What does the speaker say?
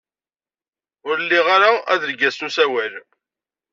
Ur liɣ ara adelgas n usawal.